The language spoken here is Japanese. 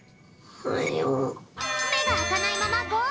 めがあかないままゴール！